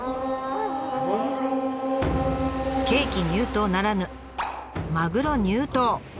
ケーキ入刀ならぬマグロ入刀！